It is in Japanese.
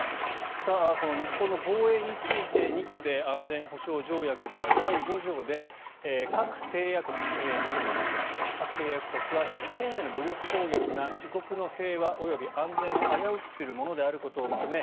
この日本の防衛について日米安全保障条約では第５条で各締約国、日本とアメリカですね日本への武力攻撃が自国の平和及び安全を危うくするものであることを認め